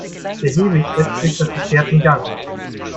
Behäbig setzt sich das Gefährt in Gang.